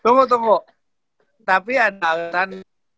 tunggu tunggu tapi ada alasan